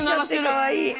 かわいい。